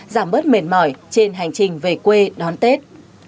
giảm bớt mệt mỏi trên hành trình về quê đón tết